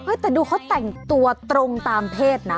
แต่ดูเขาแต่งตัวตรงตามเพศนะ